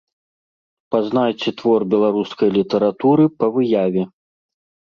Пазнайце твор беларускай літаратуры па выяве.